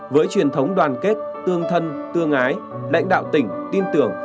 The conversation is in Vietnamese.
với truyền thống đoàn kết tương thân tương ái lãnh đạo tỉnh tin tưởng